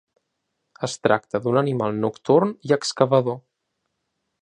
Es tracta d'un animal nocturn i excavador.